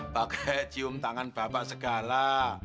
pak gaya cium tangan bapak segala